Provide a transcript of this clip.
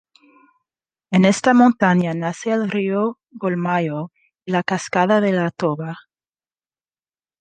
En esta montaña nace el río Golmayo y la Cascada de la Toba.